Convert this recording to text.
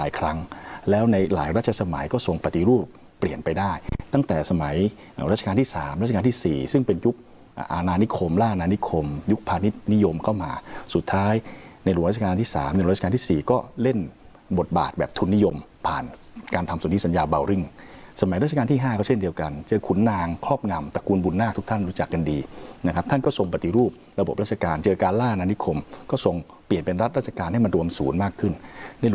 นิยมเข้ามาสุดท้ายในหลวงราชการที่สามในหลวงราชการที่สี่ก็เล่นบทบาทแบบทุนนิยมผ่านการทำส่วนนี้สัญญาเบารึ่งสมัยราชการที่ห้าก็เช่นเดียวกันเจอขุนนางครอบงำตระกูลบุญนาคทุกท่านรู้จักกันดีนะครับท่านก็ส่งปฏิรูประบบราชการเจอการล่านอนิคมก็ส่งเปลี่ยนเป็นรัฐราชการให้มัน